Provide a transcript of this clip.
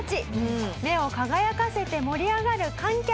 目を輝かせて盛り上がる観客。